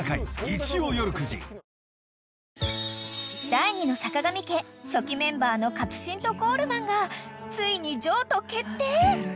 ［第２のさかがみ家初期メンバーの勝新とコールマンがついに譲渡決定！］